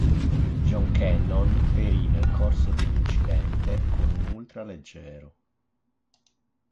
John Cannon perì nel corso di un incidente con un ultraleggero.